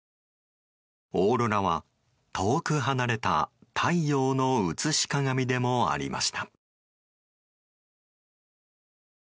オーロラは遠く離れた太陽の写し鏡でもありました。